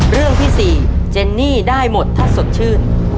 เรื่องที่๔เจนนี่ได้หมดถ้าสดชื่น